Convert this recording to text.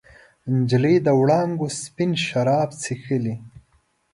نجلۍ د وړانګو سپین شراب چښلي